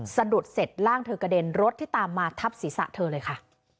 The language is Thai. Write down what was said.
สะดุดเสร็จร่างเธอกระเด็นรถที่ตามมาทับศีรษะเธอเลยค่ะ